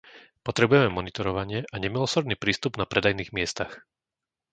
Potrebujeme monitorovanie a nemilosrdný prístup na predajných miestach.